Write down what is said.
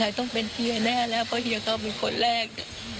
ต้องเป็นเฮียแน่แล้วเพราะเฮียต้องเป็นคนแรก